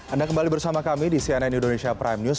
anda kembali bersama kami di cnn indonesia prime news